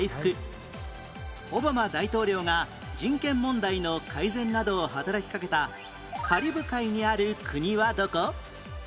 オバマ大統領が人権問題の改善などを働きかけたカリブ海にある国はどこ？